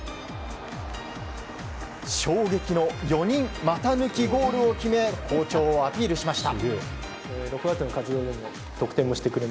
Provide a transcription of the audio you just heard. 衝撃の４人股抜きゴールを決め好調をアピールしました。